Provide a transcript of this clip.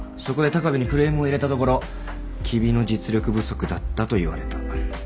そこで鷹部にクレームを入れたところ「君の実力不足だった」と言われた。